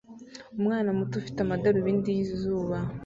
Umwana muto ufite amadarubindi y'izuba